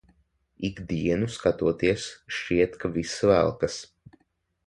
Ik dienu skatoties, šķiet ka viss velkas.